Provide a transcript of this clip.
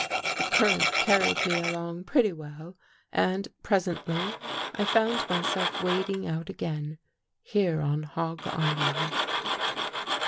The current carried me along pretty well, and, presently, I found myself wading out again, here on Hog Island."